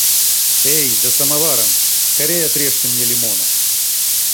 Эй, за самоваром, скорей отрежьте мне лимона.